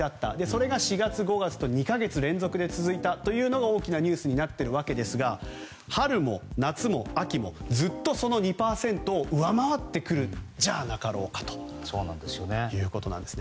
それが４月、５月と２か月連続で続いたというのが大きなニュースになっていますが春も夏も秋もずっとその２％を上回ってくるんじゃなかろうかということです。